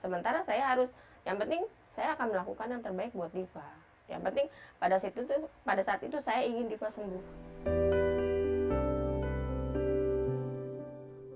yang penting pada saat itu saya ingin diva sembuh